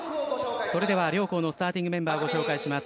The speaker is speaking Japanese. それでは両校のスターティングメンバーをご紹介します。